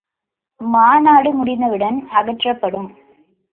மாநாடு முடிந்தவுடன் அகற்றப்படும்.